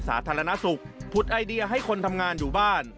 สาธารณสุขผุดไอเดียให้คนทำงานอยู่บ้าน